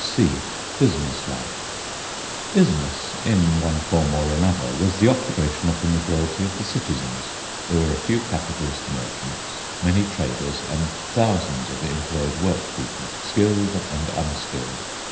C. BUSINESS LIFE Business, in one form or another, was the occupation of the majority of the citizens. There were a few capitalist merchants, many traders, and thousands of employed workpeople, skilled and unskilled.